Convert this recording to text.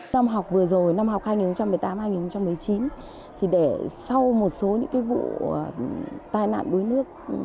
năm học vừa rồi năm học hai nghìn một mươi tám hai nghìn một mươi chín để sau một số những vụ tai nạn đuối nước